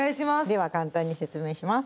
では簡単に説明します。